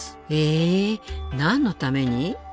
え何のために？